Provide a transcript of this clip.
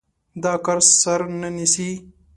دا کار سر نه نيسي.